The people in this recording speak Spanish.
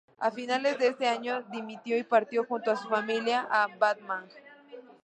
A finales de ese año dimitió y partió junto a su familia a Battambang.